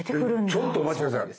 ちょっとお待ち下さい。